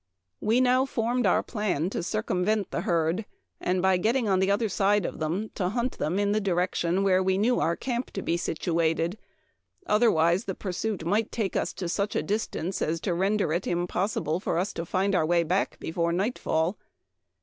" We now formed our plan to circumvent the herd, and by getting on the other side of them, to hunt them in the direction where we knew our camp to be situated, otherwise the pursuit might take us to such a distance as to render it impossible for us to find our way back before night fall.